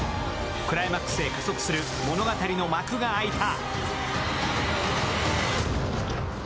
クライマックスへ加速する物語の幕が開いた。